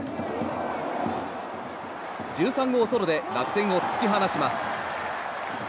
１３号ソロで楽天を突き放します。